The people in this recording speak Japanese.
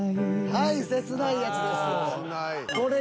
はい切ないやつです。